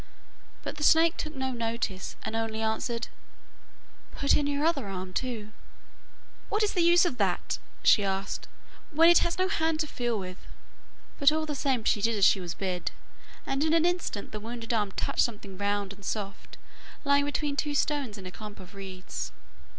But the snake took no notice, and only answered, 'Put in your other arm too.' 'What is the use of that?' she asked, 'when it has no hand to feel with?' but all the same she did as she was bid, and in an instant the wounded arm touched something round and soft, lying between two stones in a clump of reeds.